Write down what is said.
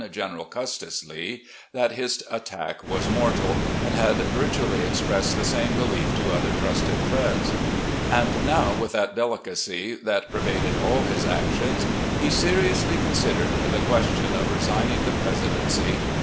General Custis Lee, that his attack was mortal; and had virtually expressed the same belief to other trusted friends. And now, with that delicacy that pervaded all his actions, he seriously considered the question of resigning the presidency of Washington VA1.